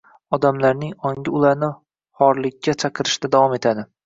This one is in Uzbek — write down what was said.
Odamlarning ongi ularni xorlikka chaqirishda davom etadi.